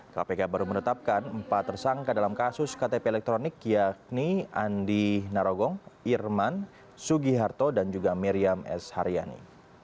kpk baru menetapkan empat tersangka dalam kasus ktp elektronik yakni andi narogong irman sugiharto dan juga miriam s haryani